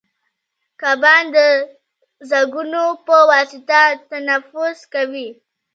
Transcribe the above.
کبان د زګونو په واسطه تنفس کوي